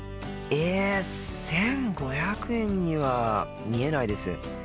え１５００円には見えないです。